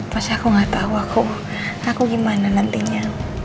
pasti aku gak tahu aku gimana nantinya